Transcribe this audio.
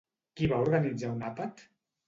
Qui va organitzar un àpat?